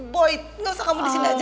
boy gak usah kamu disini aja